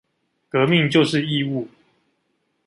革命就是義務